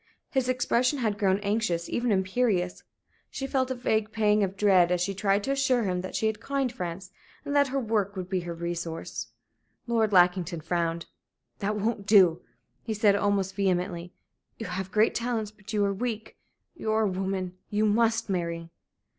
His expression had grown anxious, even imperious. She felt a vague pang of dread as she tried to assure him that she had kind friends, and that her work would be her resource. Lord Lackington frowned. "That won't do," he said, almost vehemently. "You have great talents, but you are weak you are a woman you must marry."